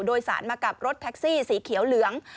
โดยสารมากับรถแท็กซี่สีเขียวเหลือง